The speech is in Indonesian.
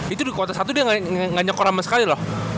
itu di quarter satu dia ga nyokor rame sekali loh